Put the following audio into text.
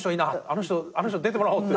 「あの人出てもらおう」って。